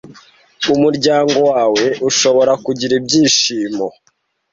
Umuryango wawe ushobora kugira ibyishimo